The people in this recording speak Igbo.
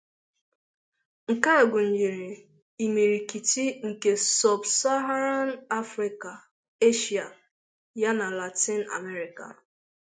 Nke a gụnyere imirikiti nke Sub-Saharan Africa, Asia, yana Latin America.